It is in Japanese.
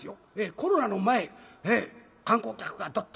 コロナの前観光客がドッと。